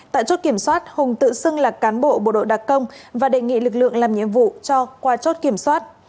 tại chốt kiểm soát hùng tự xưng là cán bộ bộ đội đặc công và đề nghị lực lượng làm nhiệm vụ cho qua chốt kiểm soát